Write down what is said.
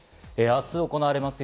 明日行われます